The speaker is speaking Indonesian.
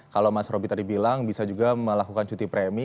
kalau mas roby tadi bilang bisa juga melakukan cuti premi